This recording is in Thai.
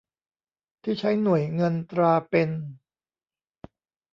ที่ใช้หน่วยเงินตราเป็น